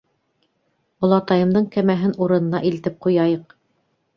Олатайымдың кәмәһен урынына илтеп ҡуяйыҡ.